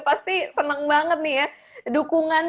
pasti seneng banget nih ya